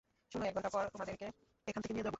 শোনো, এক ঘন্টা পর তোমাদেরকে এখান থেকে নিয়ে যাব!